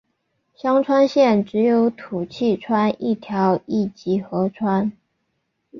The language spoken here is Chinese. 香川县只有土器川一条一级河川。